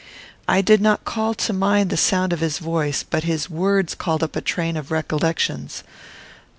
I did not call to mind the sound of his voice, but his words called up a train of recollections.